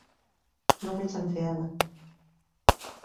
Non me chanceaba.